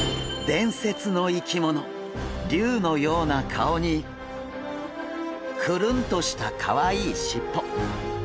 伝説の生き物竜のような顔にクルンとしたかわいいしっぽ。